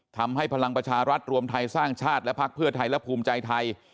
พลังประชารัฐรวมไทยสร้างชาติและพักเพื่อไทยและภูมิใจไทย